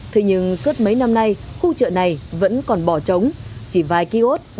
thế nhưng suốt mấy năm nay khu chợ này vẫn còn bỏ trống chỉ vài kiosk